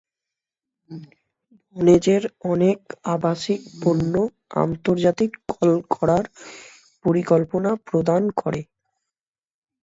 ভনেজের অনেক আবাসিক পণ্য আন্তর্জাতিক কল করার পরিকল্পনা প্রদান করে।